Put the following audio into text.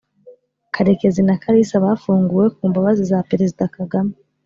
Karekezi na Kalisa bafunguwe ku mbabazi za Perezida Kagame.